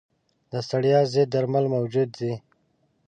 د ستړیا ضد درمل موجود دي.